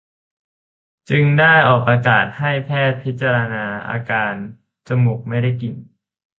จึงได้ออกประกาศให้แพทย์พิจารณาอาการจมูกไม่ได้กลิ่น